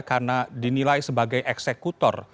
karena dinilai sebagai eksekutor